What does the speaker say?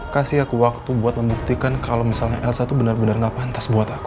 kasih aku waktu buat membuktikan kalau elsa itu bener bener gak pantas buat aku